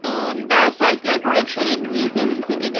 The cereal production in Greece has recently declined.